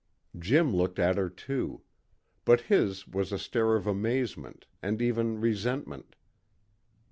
Jim looked at her too. But his was a stare of amazement, and even resentment.